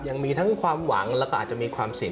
ยังมีทั้งความหวังแล้วก็อาจจะมีความเสี่ยง